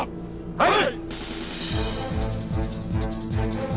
はい！